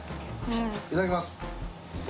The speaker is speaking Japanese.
いただきます。